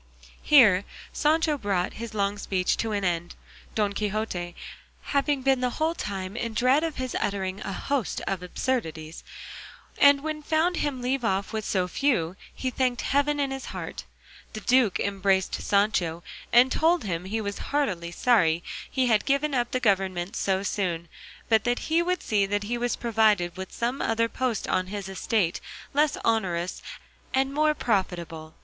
Here Sancho brought his long speech to an end, Don Quixote having been the whole time in dread of his uttering a host of absurdities; and when he found him leave off with so few, he thanked heaven in his heart. The duke embraced Sancho and told him he was heartily sorry he had given up the government so soon, but that he would see that he was provided with some other post on his estate less onerous and more profitable.